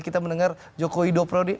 kita mendengar jokowi dua pre odeh